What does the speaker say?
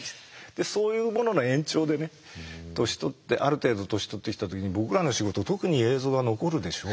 そういうものの延長でね年取ってある程度年取ってきた時に僕らの仕事特に映像が残るでしょう。